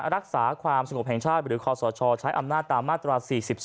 รักษาความสงบแห่งชาติหรือคอสชใช้อำนาจตามมาตรา๔๒